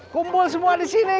kumpul semua di sini